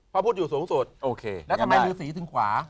พระพุทธอยู่สูงสุดโอเคแล้วทำไมฤษีถึงขวา